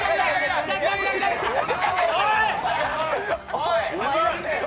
おい！